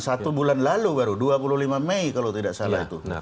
satu bulan lalu baru dua puluh lima mei kalau tidak salah itu